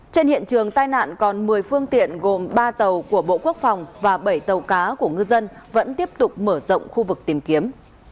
trên hiện trường tai nạn còn một mươi phương tiện gồm ba tàu của bộ quốc phòng và bảy tàu cá của ngư dân vẫn tiếp tục mở rộng khu vực tìm kiếm